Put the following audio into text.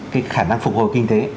cái khả năng phục hồi kinh tế